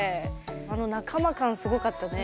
あの仲間感すごかったね。